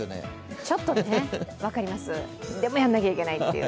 分かります、でもやんなきゃいけないという。